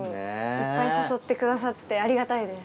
いっぱい誘ってくださってありがたいです。